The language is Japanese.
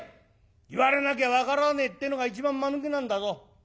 言われなきゃ分からねえってのが一番まぬけなんだぞ。